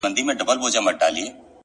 سم ليونى سوم،